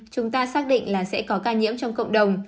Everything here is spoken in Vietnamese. chúng ta xác định là sẽ có ca nhiễm trong cộng đồng